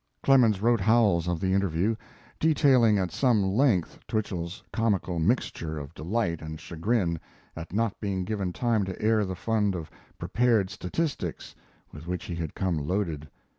Clemens wrote Howells of the interview, detailing at some length Twichell's comical mixture of delight and chagrin at not being given time to air the fund of prepared statistics with which he had come loaded.